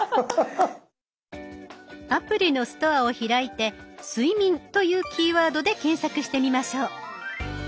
アプリのストアを開いて「睡眠」というキーワードで検索してみましょう。